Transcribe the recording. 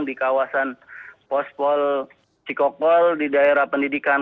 di kawasan pos pol cikokol di daerah pendidikan